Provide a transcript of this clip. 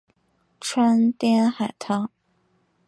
川滇海棠